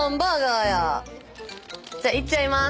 じゃいっちゃいます。